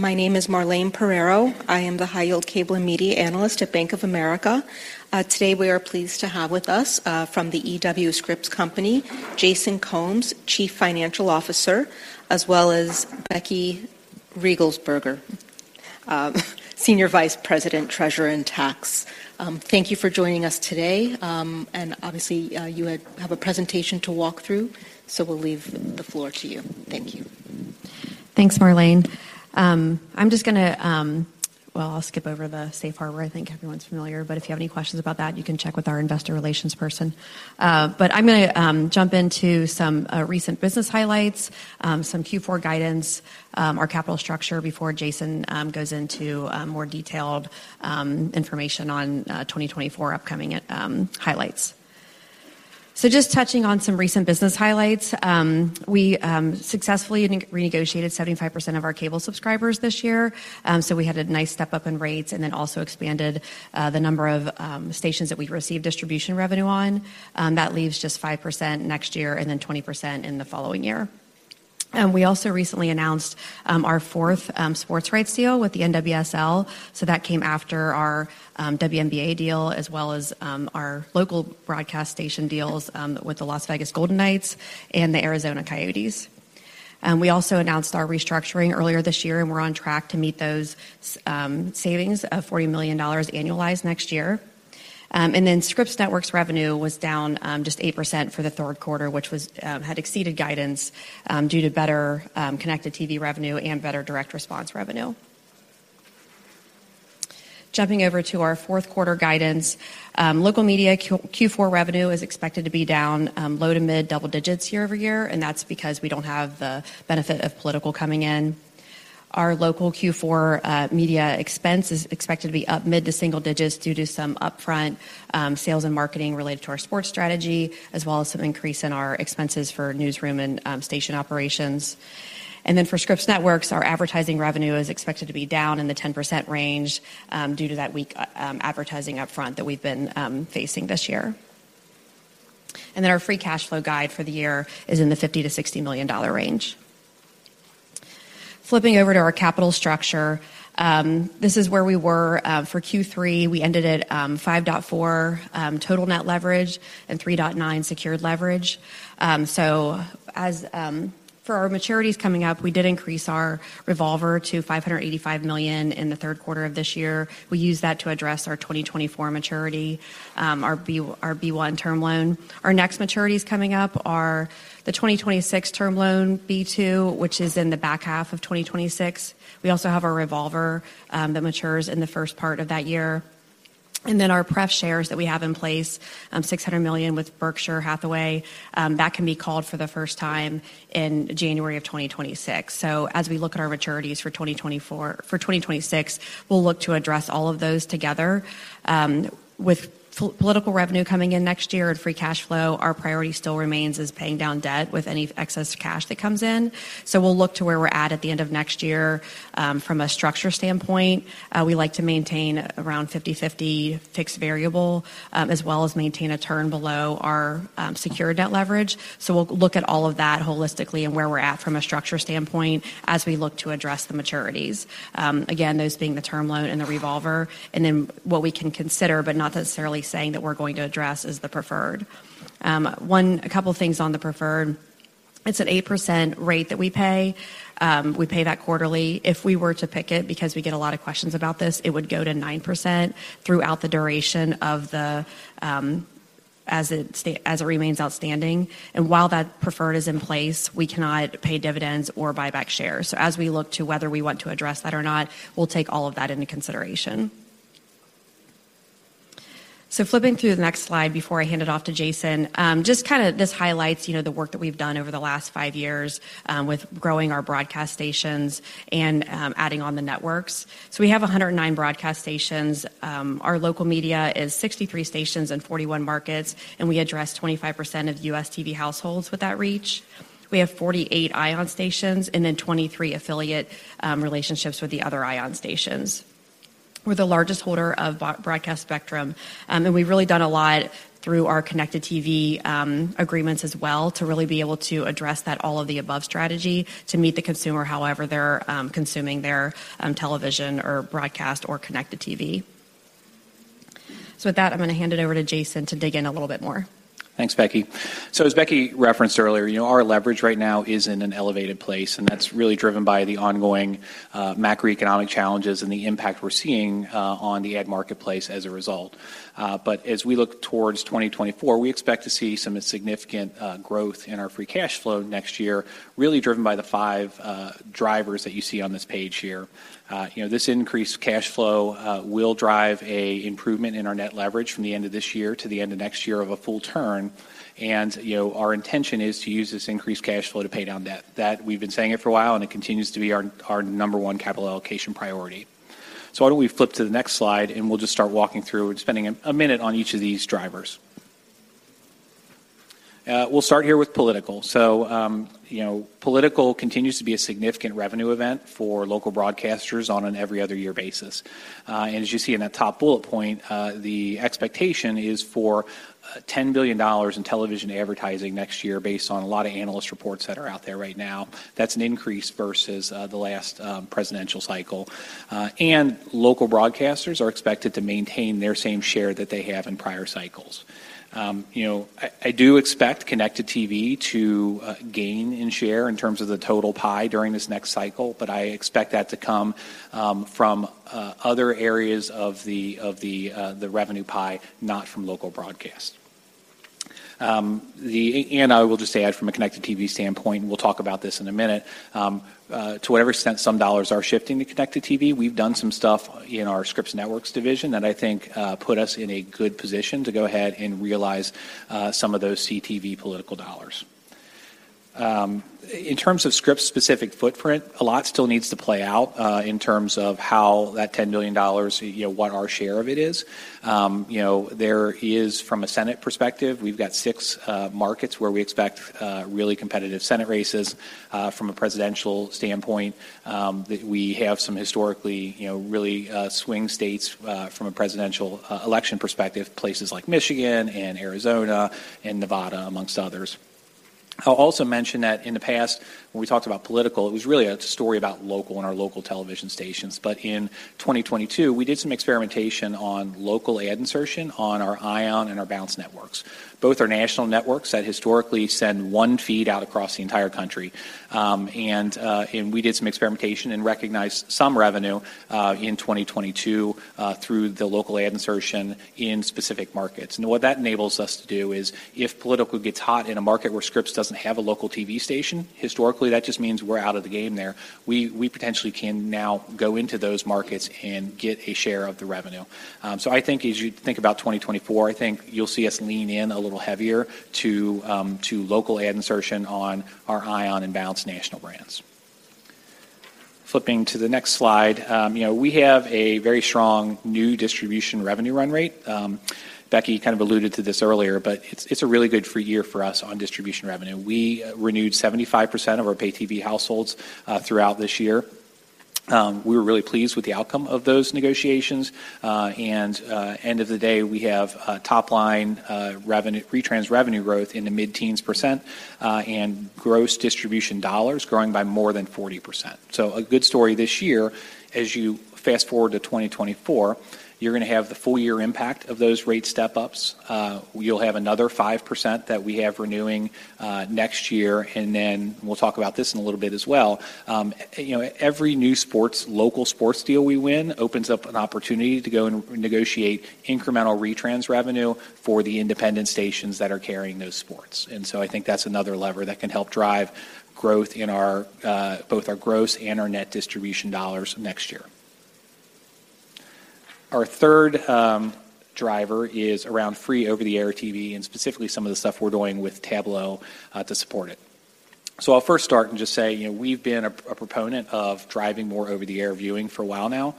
My name is Marlene Pereiro. I am the High Yield Cable and Media Analyst at Bank of America. Today, we are pleased to have with us from The E.W. Scripps Company, Jason Combs, Chief Financial Officer, as well as Becky Riegelsberger, Senior Vice President, Treasurer, and Tax. Thank you for joining us today. And obviously, you have a presentation to walk through, so we'll leave the floor to you. Thank you. Thanks, Marlene. Well, I'll skip over the safe harbor. I think everyone's familiar, but if you have any questions about that, you can check with our Investor Relations person. But I'm gonna jump into some recent business highlights, some Q4 guidance, our capital structure before Jason goes into more detailed information on 2024 upcoming highlights. So just touching on some recent business highlights, we successfully renegotiated 75% of our cable subscribers this year. So we had a nice step-up in rates, and then also expanded the number of stations that we receive distribution revenue on. That leaves just 5% next year, and then 20% in the following year. And we also recently announced our fourth sports rights deal with the NWSL. So that came after our WNBA deal, as well as our local broadcast station deals with the Las Vegas Golden Knights and the Arizona Coyotes. We also announced our restructuring earlier this year, and we're on track to meet those savings of $40 million annualized next year. Then Scripps Networks' revenue was down just 8% for the third quarter, which had exceeded guidance due to better connected TV revenue and better direct response revenue. Jumping over to our fourth quarter guidance, local media Q4 revenue is expected to be down low- to mid-double digits year-over-year, and that's because we don't have the benefit of political coming in. Our local Q4 media expense is expected to be up mid- to single digits due to some upfront sales and marketing related to our sports strategy, as well as some increase in our expenses for newsroom and station operations. And then for Scripps Networks, our advertising revenue is expected to be down in the 10% range due to that weak advertising upfront that we've been facing this year. And then our free cash flow guide for the year is in the $50 million-$60 million range. Flipping over to our capital structure, this is where we were for Q3. We ended at 5.4 total net leverage and 3.9 secured leverage. So, as for our maturities coming up, we did increase our revolver to $585 million in the third quarter of this year. We used that to address our 2024 maturity, our B-1 term loan. Our next maturities coming up are the 2026 term loan, B-2, which is in the back half of 2026. We also have our revolver that matures in the first part of that year. And then our pref shares that we have in place, $600 million with Berkshire Hathaway, that can be called for the first time in January of 2026. So as we look at our maturities for 2026, we'll look to address all of those together. With political revenue coming in next year and free cash flow, our priority still remains is paying down debt with any excess cash that comes in. So we'll look to where we're at at the end of next year. From a structure standpoint, we like to maintain around 50/50 fixed variable, as well as maintain a turn below our secured debt leverage. So we'll look at all of that holistically and where we're at from a structure standpoint as we look to address the maturities. Again, those being the term loan and the revolver, and then what we can consider, but not necessarily saying that we're going to address, is the preferred. A couple of things on the preferred: It's an 8% rate that we pay. We pay that quarterly. If we were to pick it, because we get a lot of questions about this, it would go to 9% throughout the duration of the, as it remains outstanding. And while that preferred is in place, we cannot pay dividends or buy back shares. So as we look to whether we want to address that or not, we'll take all of that into consideration. So flipping through the next slide before I hand it off to Jason, just kinda, this highlights, you know, the work that we've done over the last five years, with growing our broadcast stations and, adding on the networks. So we have 109 broadcast stations. Our local media is 63 stations in 41 markets, and we address 25% of U.S. TV households with that reach. We have 48 ION stations and then 23 affiliate relationships with the other ION stations. We're the largest holder of broadcast spectrum, and we've really done a lot through our connected TV agreements as well, to really be able to address that all-of-the-above strategy to meet the consumer however they're consuming their television or broadcast or connected TV. So with that, I'm gonna hand it over to Jason to dig in a little bit more. Thanks, Becky. So as Becky referenced earlier, you know, our leverage right now is in an elevated place, and that's really driven by the ongoing, macroeconomic challenges and the impact we're seeing, on the ad marketplace as a result. But as we look towards 2024, we expect to see some significant, growth in our free cash flow next year, really driven by the five, drivers that you see on this page here. You know, this increased cash flow, will drive a improvement in our net leverage from the end of this year to the end of next year of a full turn. And, you know, our intention is to use this increased cash flow to pay down debt. That we've been saying it for a while, and it continues to be our number one capital allocation priority. So why don't we flip to the next slide, and we'll just start walking through and spending a minute on each of these drivers? We'll start here with political. So, you know, political continues to be a significant revenue event for local broadcasters on an every other year basis. And as you see in that top bullet point, the expectation is for $10 billion in television advertising next year, based on a lot of analyst reports that are out there right now. That's an increase versus the last presidential cycle. And local broadcasters are expected to maintain their same share that they have in prior cycles. You know, I do expect connected TV to gain in share in terms of the total pie during this next cycle, but I expect that to come from other areas of the revenue pie, not from local broadcast. And I will just add from a connected TV standpoint, we'll talk about this in a minute, to whatever extent some dollars are shifting to connected TV, we've done some stuff in our Scripps Networks division that I think put us in a good position to go ahead and realize some of those CTV political dollars. In terms of Scripps' specific footprint, a lot still needs to play out in terms of how that $10 billion, you know, what our share of it is. You know, there is, from a Senate perspective, we've got six markets where we expect really competitive Senate races. From a presidential standpoint, we have some historically, you know, really swing states from a presidential election perspective, places like Michigan and Arizona and Nevada, among others. I'll also mention that in the past, when we talked about political, it was really a story about local and our local television stations. But in 2022, we did some experimentation on local ad insertion on our ION and our Bounce networks. Both are national networks that historically send one feed out across the entire country. We did some experimentation and recognized some revenue in 2022 through the local ad insertion in specific markets. What that enables us to do is, if political gets hot in a market where Scripps doesn't have a local TV station, historically, that just means we're out of the game there. We potentially can now go into those markets and get a share of the revenue. So I think as you think about 2024, I think you'll see us lean in a little heavier to local ad insertion on our ION and Bounce national brands. Flipping to the next slide, you know, we have a very strong new distribution revenue run rate. Becky kind of alluded to this earlier, but it's a really good free year for us on distribution revenue. We renewed 75% of our pay TV households throughout this year. We were really pleased with the outcome of those negotiations. End of the day, we have a top line retrans revenue growth in the mid-teens percent, and gross distribution dollars growing by more than 40%. So a good story this year. As you fast-forward to 2024, you're gonna have the full year impact of those rate step-ups. You'll have another 5% that we have renewing next year, and then we'll talk about this in a little bit as well. You know, every new sports, local sports deal we win opens up an opportunity to go and negotiate incremental retrans revenue for the independent stations that are carrying those sports. And so I think that's another lever that can help drive growth in both our gross and our net distribution dollars next year. Our third driver is around free over-the-air TV, and specifically, some of the stuff we're doing with Tablo to support it. So I'll first start and just say, you know, we've been a proponent of driving more over-the-air viewing for a while now.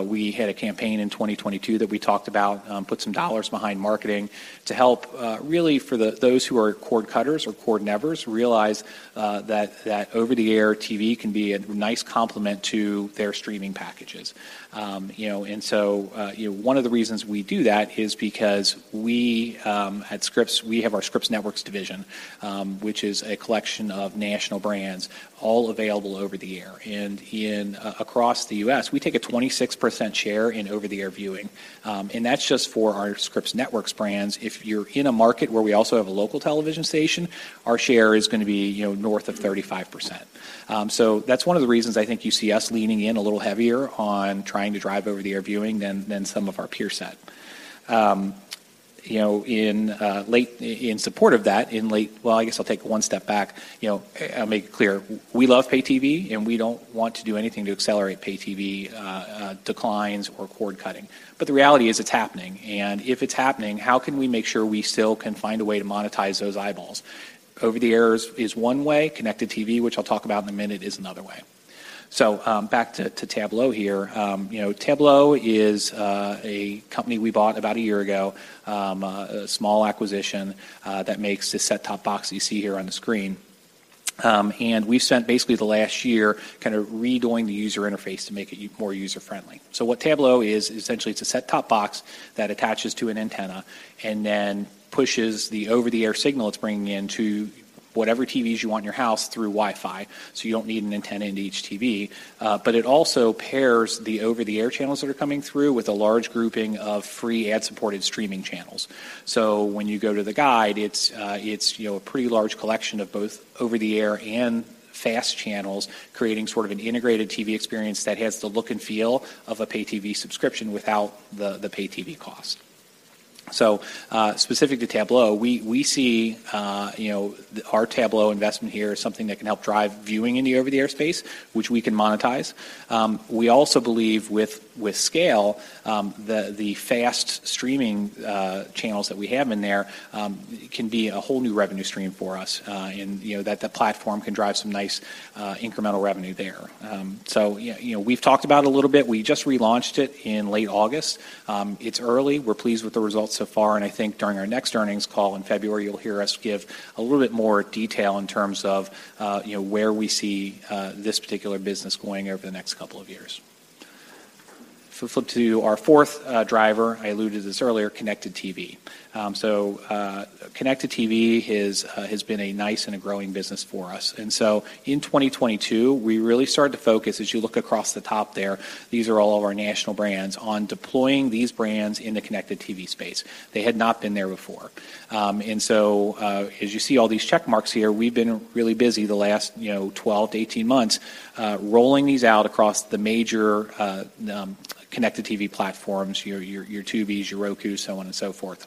We had a campaign in 2022 that we talked about, put some dollars behind marketing to help really, for those who are cord cutters or cord nevers, realize that over-the-air TV can be a nice complement to their streaming packages. You know, and so, you know, one of the reasons we do that is because at Scripps, we have our Scripps Networks division, which is a collection of national brands all available over-the-air. Across the U.S., we take a 26% share in over-the-air viewing, and that's just for our Scripps Networks brands. If you're in a market where we also have a local television station, our share is gonna be, you know, north of 35%. So that's one of the reasons I think you see us leaning in a little heavier on trying to drive over-the-air viewing than some of our peer set. You know, in support of that, Well, I guess I'll take it one step back. You know, I'll make it clear, we love pay TV, and we don't want to do anything to accelerate pay TV declines or cord cutting. But the reality is, it's happening. And if it's happening, how can we make sure we still can find a way to monetize those eyeballs? Over-the-Air is one way. Connected TV, which I'll talk about in a minute, is another way. So, back to Tablo here. You know, Tablo is a company we bought about a year ago, a small acquisition, that makes this set-top box you see here on the screen. And we've spent basically the last year kind of redoing the user interface to make it more user-friendly. So what Tablo is, essentially, it's a set-top box that attaches to an antenna and then pushes the Over-the-Air signal it's bringing in to whatever TVs you want in your house through Wi-Fi, so you don't need an antenna in each TV. But it also pairs the over-the-air channels that are coming through with a large grouping of free ad-supported streaming channels. So when you go to the guide, it's, you know, a pretty large collection of both over-the-air and FAST channels, creating sort of an integrated TV experience that has the look and feel of a pay TV subscription without the pay TV cost. So, specific to Tablo, we see, you know, our Tablo investment here is something that can help drive viewing in the over-the-air space, which we can monetize. We also believe with scale, the FAST streaming channels that we have in there can be a whole new revenue stream for us, and, you know, that the platform can drive some nice, incremental revenue there. So, you know, we've talked about it a little bit. We just relaunched it in late August. It's early. We're pleased with the results so far, and I think during our next earnings call in February, you'll hear us give a little bit more detail in terms of, you know, where we see this particular business going over the next couple of years. Flip to our fourth driver. I alluded to this earlier, Connected TV. Connected TV is, has been a nice and a growing business for us. And so in 2022, we really started to focus, as you look across the top there, these are all of our national brands, on deploying these brands in the Connected TV space. They had not been there before. And so, as you see all these check marks here, we've been really busy the last, you know, 12 to 18 months, rolling these out across the major connected TV platforms, your Tubi, your Roku, so on and so forth.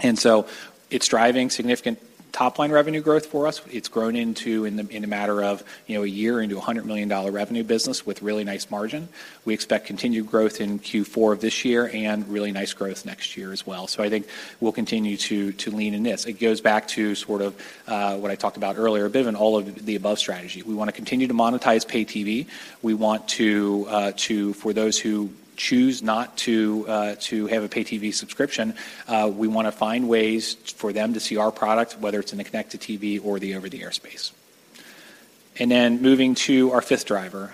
And so it's driving significant top-line revenue growth for us. It's grown into, in a matter of, you know, a year, into a $100 million revenue business with really nice margin. We expect continued growth in Q4 of this year and really nice growth next year as well. So I think we'll continue to lean in this. It goes back to sort of what I talked about earlier, a bit of an all-of-the-above strategy. We want to continue to monetize pay TV. For those who choose not to have a pay TV subscription, we want to find ways for them to see our product, whether it's in the connected TV or the over-the-air space. Then moving to our fifth driver,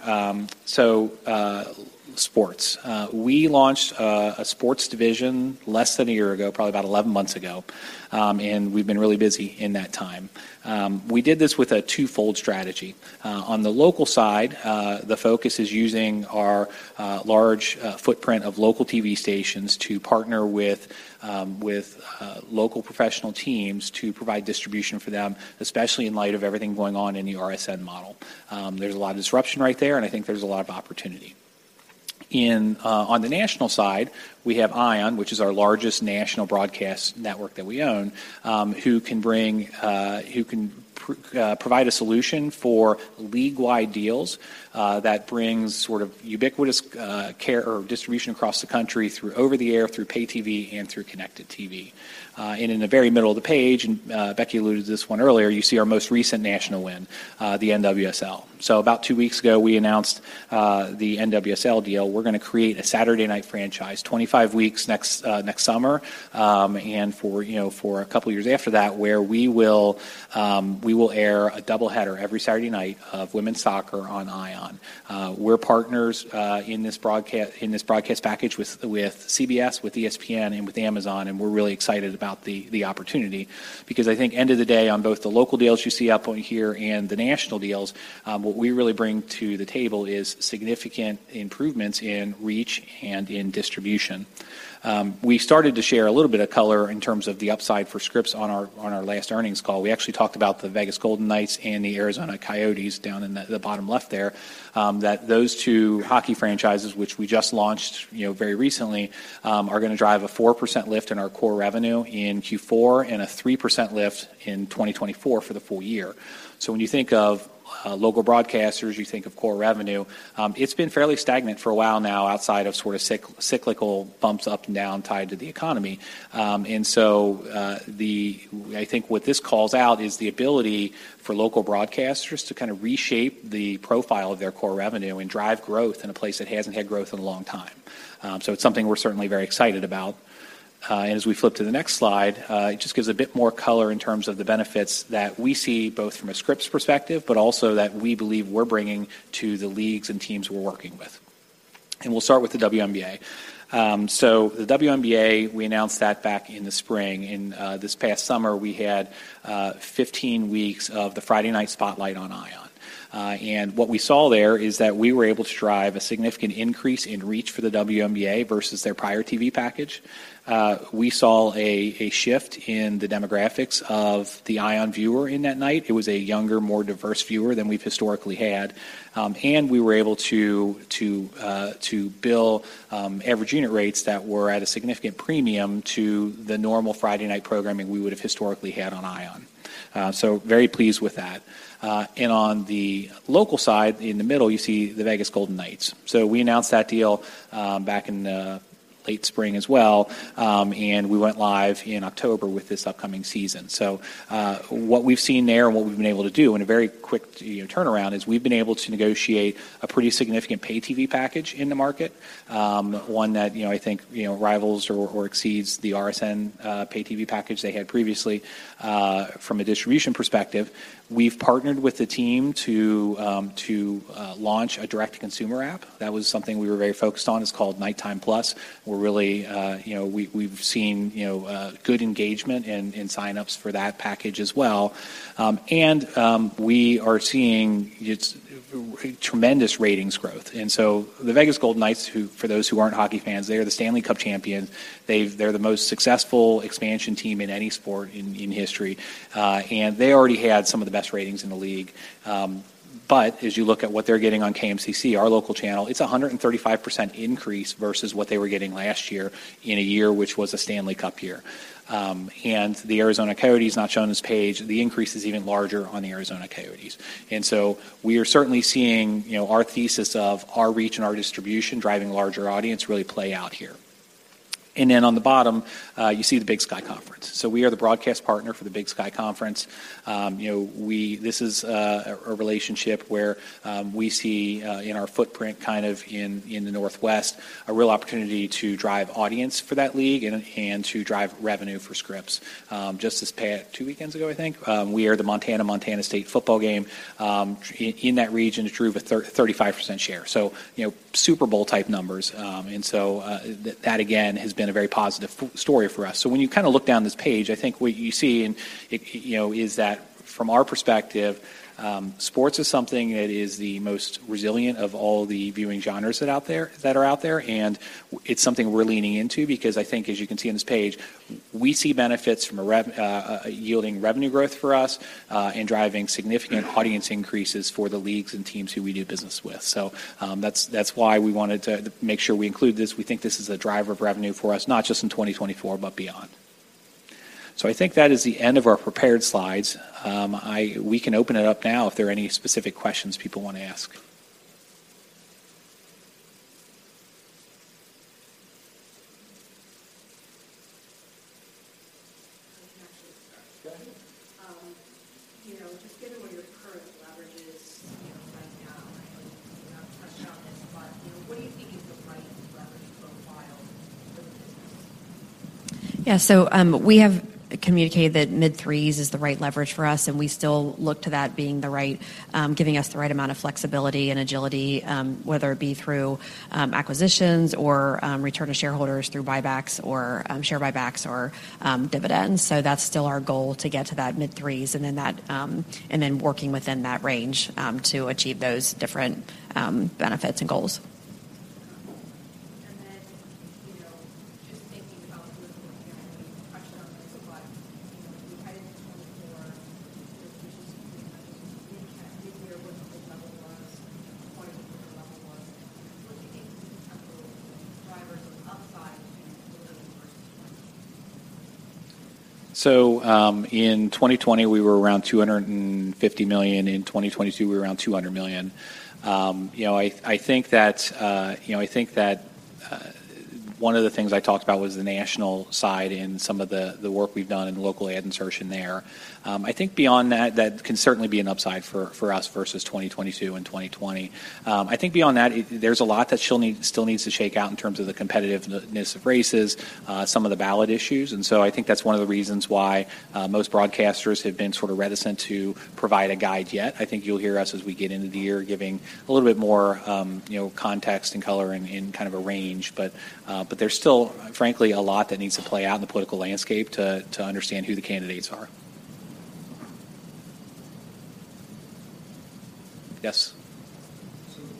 sports. We launched a sports division less than a year ago, probably about 11 months ago, and we've been really busy in that time. We did this with a twofold strategy. On the local side, the focus is using our large footprint of local TV stations to partner with local professional teams to provide distribution for them, especially in light of everything going on in the RSN model. There's a lot of disruption right there, and I think there's a lot of opportunity. On the national side, we have ION, which is our largest national broadcast network that we own, who can provide a solution for league-wide deals that brings sort of ubiquitous coverage or distribution across the country, through over-the-air, through pay TV, and through connected TV. In the very middle of the page, Becky alluded to this one earlier, you see our most recent national win, the NWSL. So about two weeks ago, we announced the NWSL deal. We're gonna create a Saturday night franchise, 25 weeks next summer, and for, you know, for a couple of years after that, where we will air a double header every Saturday night of women's soccer on ION. We're partners in this broadcast package with CBS, with ESPN, and with Amazon, and we're really excited about the opportunity. Because I think end of the day, on both the local deals you see up on here and the national deals, what we really bring to the table is significant improvements in reach and in distribution. We started to share a little bit of color in terms of the upside for Scripps on our last earnings call. We actually talked about the Vegas Golden Knights and the Arizona Coyotes down in the bottom left there that those two hockey franchises, which we just launched, you know, very recently, are gonna drive a 4% lift in our core revenue in Q4 and a 3% lift in 2024 for the full year. So when you think of local broadcasters, you think of core revenue. It's been fairly stagnant for a while now, outside of sorta cyclical bumps up and down, tied to the economy. I think what this calls out is the ability for local broadcasters to kinda reshape the profile of their core revenue and drive growth in a place that hasn't had growth in a long time. So it's something we're certainly very excited about. And as we flip to the next slide, it just gives a bit more color in terms of the benefits that we see, both from a Scripps perspective, but also that we believe we're bringing to the leagues and teams we're working with. We'll start with the WNBA. So the WNBA, we announced that back in the spring, and this past summer, we had 15 weeks of the Friday night spotlight on ION. And what we saw there is that we were able to drive a significant increase in reach for the WNBA versus their prior TV package. We saw a shift in the demographics of the ION viewer in that night. It was a younger, more diverse viewer than we've historically had. And we were able to bill average unit rates that were at a significant premium to the normal Friday night programming we would have historically had on ION. So very pleased with that. And on the local side, in the middle, you see the Vegas Golden Knights. So we announced that deal back in late spring as well, and we went live in October with this upcoming season. So what we've seen there and what we've been able to do in a very quick, you know, turnaround is we've been able to negotiate a pretty significant pay TV package in the market, one that, you know, I think, you know, rivals or exceeds the RSN pay TV package they had previously. From a distribution perspective, we've partnered with the team to launch a direct-to-consumer app. That was something we were very focused on. It's called KnightTime+. We're really, you know, we've seen good engagement and signups for that package as well. And we are seeing it's tremendous ratings growth. And so the Vegas Golden Knights, who, for those who aren't hockey fans, they are the Stanley Cup champion. They're the most successful expansion team in any sport in history, and they already had some of the best ratings in the league. But as you look at what they're getting on KMCC, our local channel, it's a 135% increase versus what they were getting last year, in a year, which was a Stanley Cup year. And the Arizona Coyotes, not shown on this page, the increase is even larger on the Arizona Coyotes. And so we are certainly seeing, you know, our thesis of our reach and our distribution, driving larger audience, really play out here. And then on the bottom, you see the Big Sky Conference. So we are the broadcast partner for the Big Sky Conference. You know, this is a relationship where we see in our footprint, kind of in the Northwest, a real opportunity to drive audience for that league and to drive revenue for Scripps. Just this past two weekends ago, I think, we aired the Montana-Montana State football game. In that region, it drew a 35% share. So, you know, Super Bowl-type numbers. And so, that again has been a very positive story for us. So when you kinda look down this page, I think what you see and it, you know, is that from our perspective, sports is something that is the most resilient of all the viewing genres that are out there, and it's something we're leaning into because I think, as you can see on this page, we see benefits from a revenue-yielding revenue growth for us, and driving significant audience increases for the leagues and teams who we do business with. So, that's why we wanted to make sure we include this. We think this is a driver of revenue for us, not just in 2024, but beyond. So I think that is the end of our prepared slides. We can open it up now if there are any specific questions people want to ask. I can actually start. Go ahead. You know, just given where your current leverage is, you know, right now, I know you've touched on this, but, you know, what do you think is the right leverage profile for the business? Yeah. So, we have communicated that mid-threes is the right leverage for us, and we still look to that being the right, giving us the right amount of flexibility and agility, whether it be through acquisitions or return to shareholders through buybacks or share buybacks or dividends. So that's still our goal, to get to that mid-threes, and then working within that range to achieve those different benefits and goals. one of the things I talked about was the national side and some of the work we've done in local ad insertion there. I think beyond that, that can certainly be an upside for us versus 2022 and 2020. I think beyond that, there's a lot that still needs to shake out in terms of the competitiveness of races, some of the ballot issues. And so I think that's one of the reasons why most broadcasters have been sort of reticent to provide a guide yet. I think you'll hear us as we get into the year, giving a little bit more, you know, context and color in kind of a range. But there's still, frankly, a lot that needs to play out in the political landscape to understand who the candidates are. Yes? So you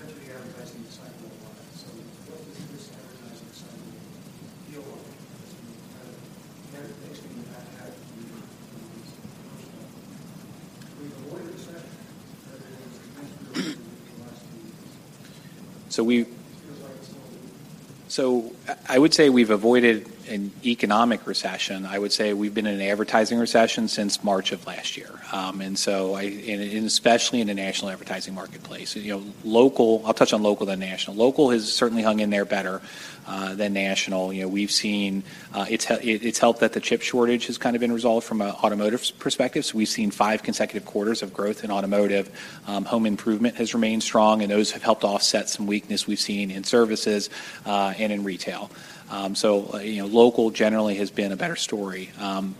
mentioned the advertising cycle a lot. So what does this advertising cycle feel like as we kind of everything we've had, we've avoided a recession, but it is the last few years. So I would say we've avoided an economic recession. I would say we've been in an advertising recession since March of last year, and especially in the national advertising marketplace. You know, I'll touch on local, then national. Local has certainly hung in there better than national. You know, we've seen, it's helped that the chip shortage has kind of been resolved from a automotive perspective. So we've seen five consecutive quarters of growth in automotive. Home improvement has remained strong, and those have helped offset some weakness we've seen in services and in retail. So, you know, local generally has been a better story.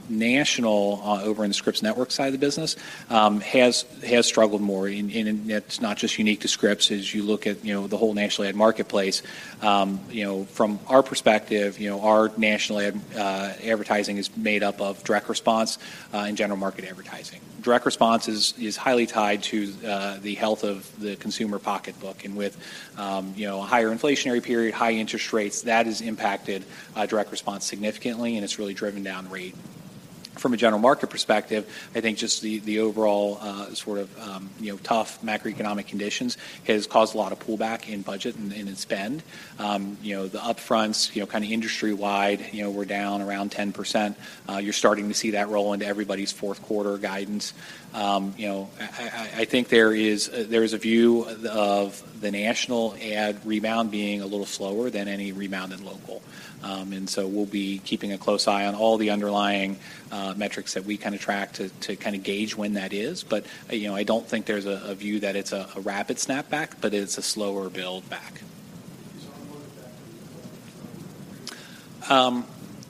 National over in the Scripps Networks side of the business has struggled more. And it's not just unique to Scripps. As you look at, you know, the whole national ad marketplace, you know, from our perspective, you know, our national ad advertising is made up of direct response and general market advertising. Direct response is highly tied to the health of the consumer pocketbook, and with, you know, a higher inflationary period, high interest rates, that has impacted direct response significantly, and it's really driven down the rate. From a general market perspective, I think just the overall sort of, you know, tough macroeconomic conditions has caused a lot of pullback in budget and in spend. You know, the upfronts, you know, kind of industry-wide, you know, we're down around 10%. You're starting to see that roll into everybody's fourth quarter guidance. You know, I think there is a view of the national ad rebound being a little slower than any rebound in local. And so we'll be keeping a close eye on all the underlying metrics that we kind of track to kind of gauge when that is. But, you know, I don't think there's a view that it's a rapid snapback, but it's a slower build back.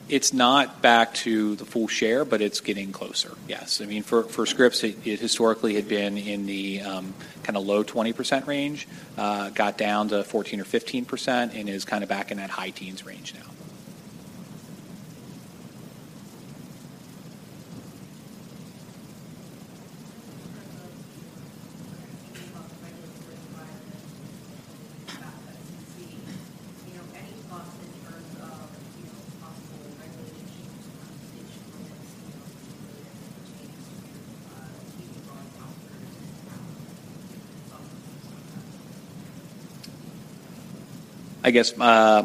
It's not back to the full share, but it's getting closer. Yes. I mean, for Scripps, it historically had been in the kind of low 20% range, got down to 14%-15%, and is kind of back in that high teens range now. You know, any thoughts in terms of, you know, possible regulation to digital advertising, or any changes to, TV broadcasters, different thoughts on that? I guess,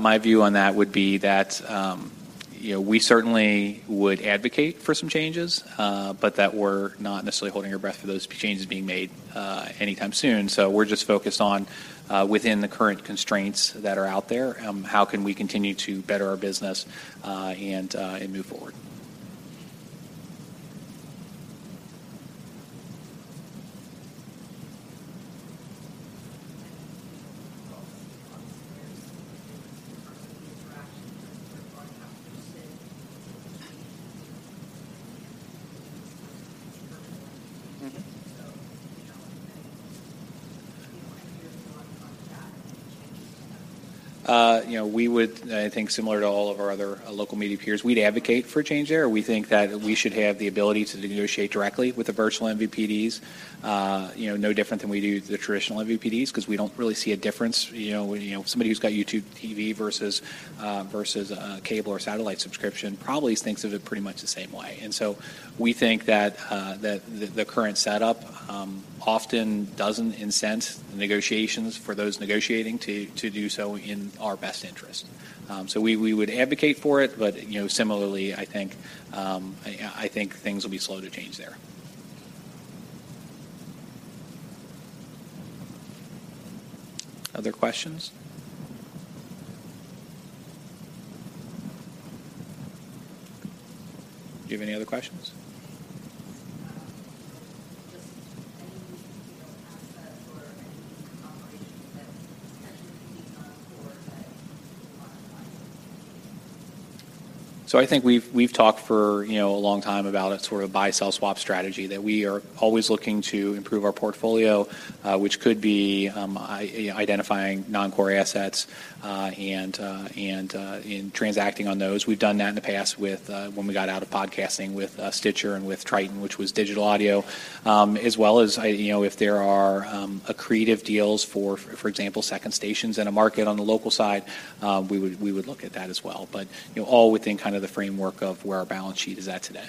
my view on that would be that, you know, we certainly would advocate for some changes, but that we're not necessarily holding our breath for those changes being made, anytime soon. So we're just focused on, within the current constraints that are out there, how can we continue to better our business, and move forward? You know, we would, I think similar to all of our other, local media peers, we'd advocate for a change there. We think that we should have the ability to negotiate directly with the virtual MVPDs, you know, no different than we do the traditional MVPDs, 'cause we don't really see a difference, you know, when somebody who's got YouTube TV versus, versus a cable or satellite subscription, probably thinks of it pretty much the same way. And so we think that the current setup often doesn't incent the negotiations for those negotiating to do so in our best interest. So we would advocate for it, but you know, similarly, I think things will be slow to change there. Other questions? Do you have any other questions? So I think we've talked for you know a long time about a sort of buy, sell, swap strategy that we are always looking to improve our portfolio, which could be identifying non-core assets and transacting on those. We've done that in the past with when we got out of podcasting with Stitcher and with Triton, which was digital audio. As well as, you know, if there are accretive deals, for example, second stations in a market on the local side, we would look at that as well. But, you know, all within kind of the framework of where our balance sheet is at today.